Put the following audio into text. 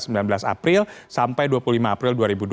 sembilan belas april sampai dua puluh lima april dua ribu dua puluh